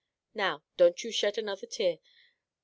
Now, don't you shed another tear.